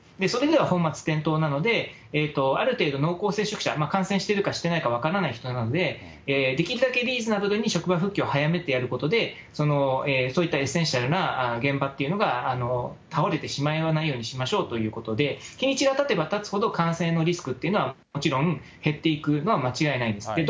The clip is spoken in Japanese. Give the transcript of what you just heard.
それでは本末転倒なので、ある程度濃厚接触者、感染しているか、してないか、分からない人なので、できるだけリーズナブルに職場復帰を早めてやることで、そういったエッセンシャルな現場というのが倒れてしまわないようにしましょうということで、日にちがたてばたつほど、感染のリスクというのはもちろん減っていくのは間違いないんです。